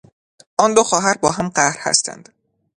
آن دو خواهر با هم قهر هستند.